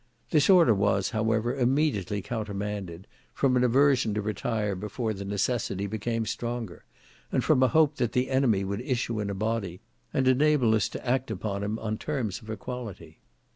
This order was, however, immediately countermanded, from an aversion to retire before the necessity became stronger, and from a hope that the enemy would issue in a body, and enable us to act upon him on terms of equality.